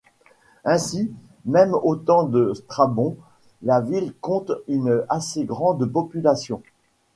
Ainsi, même au temps de Strabon, la ville compte une assez grande population.